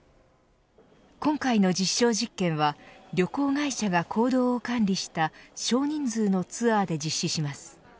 今回の実証実験は旅行会社が行動を管理した少人数のツアーで実施します。